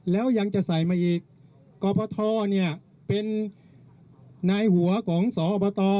แล้วยังจะใส่มาอีกกรพทเนี่ยเป็นนายหัวของสอบต